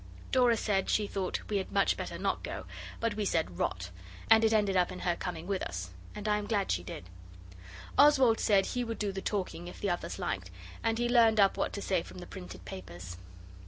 Dora said she thought we had much better not go; but we said 'Rot!' and it ended in her coming with us, and I am glad she did. Oswald said he would do the talking if the others liked, and he learned up what to say from the printed papers.